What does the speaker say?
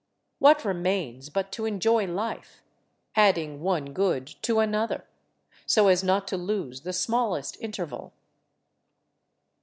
What remains but to enjoy life, adding one good to an another, so as not to lose the smallest interval?